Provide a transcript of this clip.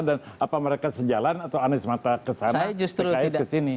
dan apa mereka sejalan atau anies mata kesana pks kesini